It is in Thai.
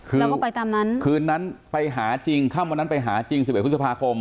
คือเราก็ไปตามนั้นคืนนั้นไปหาจริงค่ำวันนั้นไปหาจริง๑๑พฤษภาคม